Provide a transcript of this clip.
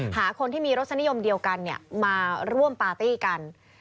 หาคนที่มีรสนิยมเดียวกันมาร่วมปาร์ตี้กัน